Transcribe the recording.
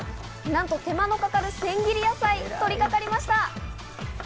なんと手間のかかる千切り野菜に取り掛かりました。